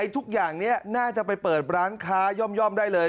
ทุกอย่างนี้น่าจะไปเปิดร้านค้าย่อมได้เลย